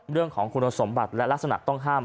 เรื่องของคุณสมบัติและลักษณะต้องห้าม